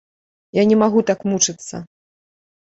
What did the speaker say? Я не магу так мучыцца!